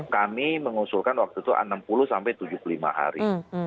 kami mengusulkan waktu itu enam puluh sampai tujuh puluh lima hari